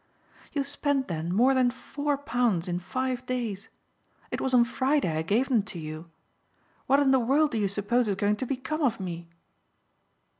"You've spent then more than four pounds in five days. It was on Friday I gave them to you. What in the world do you suppose is going to become of me?"